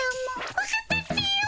わかったっピよ。